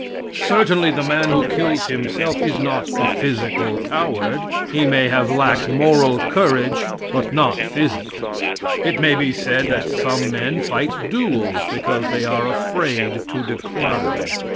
Certainly the man who kills himself is not a physical coward. He may have lacked moral courage, but not physical. It may be said that some men fight duels because they are afraid to decline.